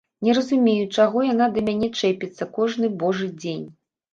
Не разумею, чаго яна да мяне чэпіцца кожны божы дзень!